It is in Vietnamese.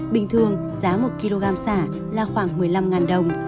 bình thường giá một kg xả là khoảng một mươi năm đồng